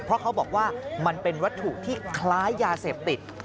เพราะเขาบอกว่ามันเป็นวัตถุที่คล้ายยาเสพติด